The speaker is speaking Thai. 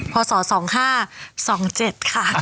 ภาษา๒๕๒๗ค่ะ